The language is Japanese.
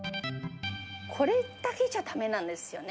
これだけじゃだめなんですよね。